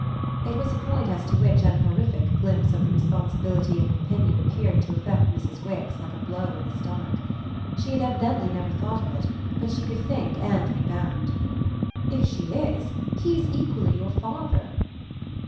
It was a point as to which an horrific glimpse of the responsibility of an opinion appeared to affect Mrs. Wix like a blow in the stomach. She had evidently never thought of it; but she could think and rebound. "If she is, he's equally your father."